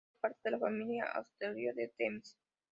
Forma parte de la familia asteroidal de Temis.